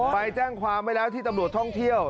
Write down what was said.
ไปแจ้งความไว้แล้วที่ตำรวจท่องเที่ยว